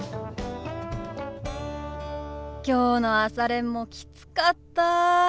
きょうの朝練もきつかった。